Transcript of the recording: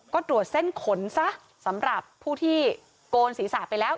ก็ตรวจเส้นขนซะสำหรับผู้ที่โกนศีรษะไปแล้ว